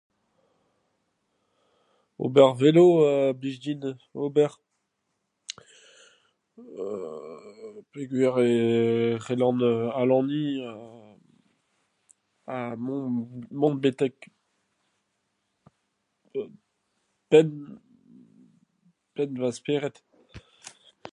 Ober velo a blij din ober euu peogwir e c'hellan alaniñ ha... ha mont mont betek... penn... penn va spered.